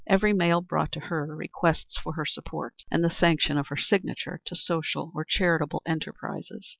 Every mail brought to her requests for her support, and the sanction of her signature to social or charitable enterprises.